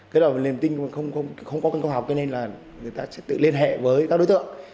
cái đó là niềm tin mà không có công học cho nên là người ta sẽ tự liên hệ với các đối tượng